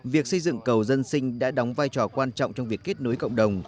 việc xây dựng cầu dân sinh đã đóng vai trò quan trọng trong việc kết nối cộng đồng